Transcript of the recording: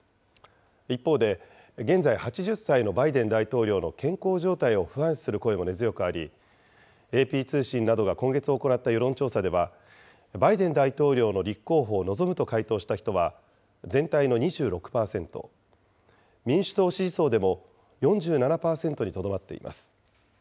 一方で、現在８０歳のバイデン大統領の健康状態を不安視する声も根強くあり、ＡＰ通信などが今月行った世論調査では、バイデン大統領の立候補を望むと回答した人は、全体の２６％、民主党支持層でも４７％にとどまっています。